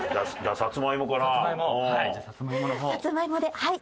さつまいもではい。